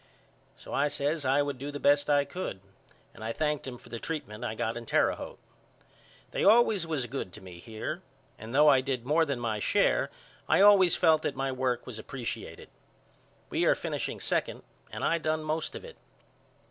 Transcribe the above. So I says I would do the best I could and I thanked him for the treatment I got in Terre Haute. They always was good to me here and though I did more than my share I always felt that my work was appresiated. We are finishing second and I done most of it.